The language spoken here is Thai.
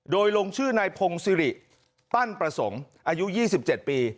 โดยลงชื่อนายพงศิริปั้นประสงค์อายุ๒๗ปี